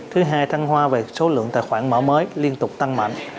thứ hai thăng hoa về số lượng tài khoản mở mới liên tục tăng mạnh